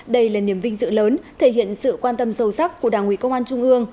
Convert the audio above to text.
đây là niềm vinh dự lớn thể hiện sự quan tâm sâu sắc của đảng ủy công an trung ương